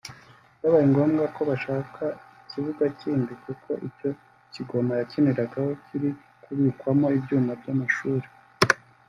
Byabaye ngombwa ko bashaka ikibuga kindi kuko icyo Kigoma yakiniragaho kiri kubukwamo ibyumba by’amashuri